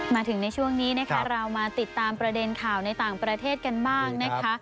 มาถึงในช่วงนี้นะคะเรามาติดตามประเด็นข่าวในต่างประเทศกันบ้างนะคะ